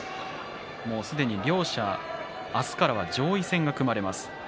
もうすでに両者明日からは上位戦が組まれます。